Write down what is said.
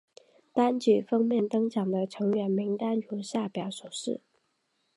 单曲封面登场的成员名单如下表所示。